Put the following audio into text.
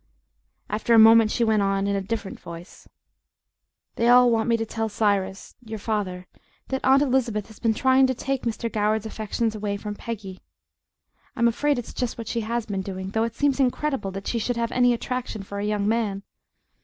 After a moment she went on in a different voice: "They all want me to tell Cyrus your father that Aunt Elizabeth has been trying to take Mr. Goward's affections away from Peggy. I'm afraid it's just what she has been doing, though it seems incredible that she should have any attraction for a young man.